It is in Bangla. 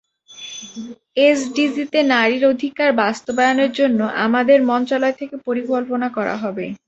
এসডিজিতে নারীর অধিকার বাস্তবায়নের জন্য আমাদের মন্ত্রণালয় থেকে পরিকল্পনা করা হবে।